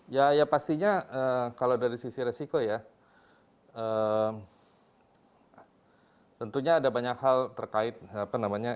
ya ya pastinya kalau dari sisi resiko ya tentunya ada banyak hal terkait apa namanya